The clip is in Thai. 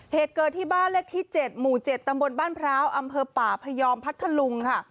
เหตุเกิดที่บ้านเลขที่๗หมู่๗ตำบลบ้านพร้าวอำเภอป่าพยอมพัทธลุงค่ะ